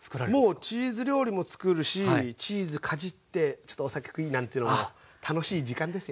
もうチーズ料理もつくるしチーズかじってちょっとお酒をクイッなんてのも楽しい時間ですよね。